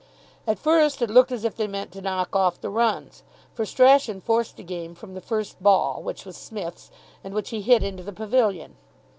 At first it looked as if they meant to knock off the runs, for Strachan forced the game from the first ball, which was Psmith's, and which he hit into the pavilion.